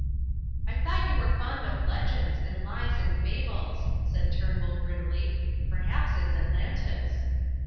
"I thought you were fond of legends and lies and fables," said Turnbull, grimly. "Perhaps it's Atlantis."